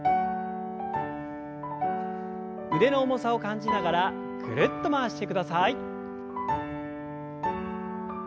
腕の重さを感じながらぐるっと回してください。